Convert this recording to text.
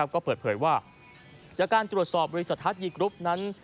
ก็เปิดเผยว่าจากการตรวจสอบบริษัทฮัทยีกรุ๊ปนั้น